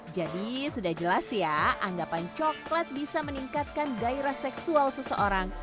jadi sudah jelas ya anggapan coklat bisa meningkatkan gairah seksual seseorang